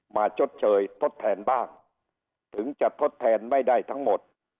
ชดเชยทดแทนบ้างถึงจะทดแทนไม่ได้ทั้งหมด